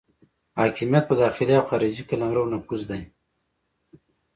حاکمیت په داخلي او خارجي قلمرو نفوذ دی.